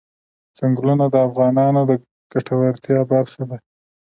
ځنګلونه د افغانانو د ګټورتیا برخه ده.